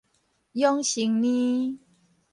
養生奶